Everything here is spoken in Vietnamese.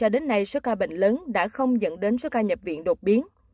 trong lúc này số ca bệnh lớn đã không dẫn đến số ca nhập viện đột biến